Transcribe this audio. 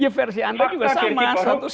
ya versi anda juga sama